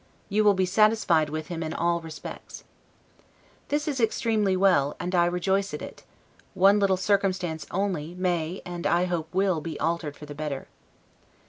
You will be satisfied with him in all respects." This is extremely well, and I rejoice at it: one little circumstance only may, and I hope will, be altered for the better.